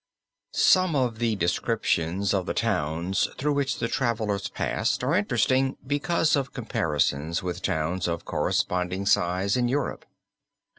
Some of the descriptions of the towns through which the travelers passed are interesting because of comparisons with towns of corresponding size in Europe.